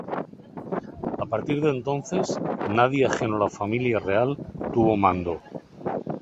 A partir de entonces, nadie ajeno a la familia real tuvo mando.